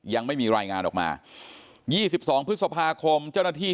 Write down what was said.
ยังไม่มีรายงานออกมา๒๒พฤษภาคมเจ้าหน้าที่